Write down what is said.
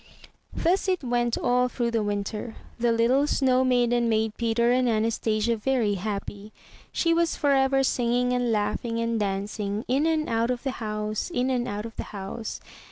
Thus it went all through the winter. The little snow maiden made Peter and Anastasia very happy. She was forever singing and laughing and dancing, in and out of the house, in and out of the house.